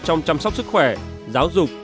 trong chăm sóc sức khỏe giáo dục